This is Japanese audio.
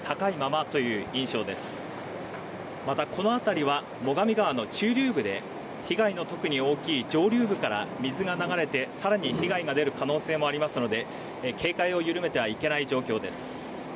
またこの辺りは最上川の中流部で被害の特に大きい上流部から水が流れて更に被害が出る可能性もありますので警戒を緩めてはいけない状況です。